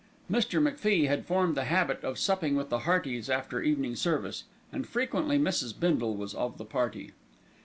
Mr. MacFie had formed the habit of supping with the Heartys after evening service, and frequently Mrs. Bindle was of the party.